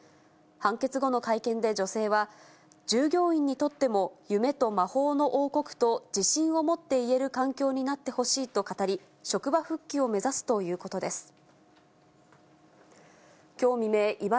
判決後の会見で、女性は、従業員にとっても、夢と魔法の王国と自信を持って言える環境になってほしいと語り、職場復帰を目指すということです。